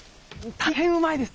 大変うまいです。